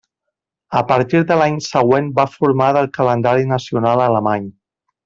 A partir de l'any següent va formar del calendari nacional alemany.